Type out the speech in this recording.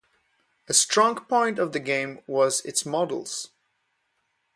A strong point of the game was its models.